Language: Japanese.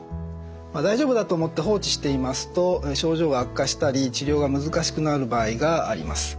大丈夫だと思って放置していますと症状が悪化したり治療が難しくなる場合があります。